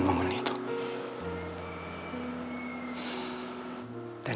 emotisme yang timbulgs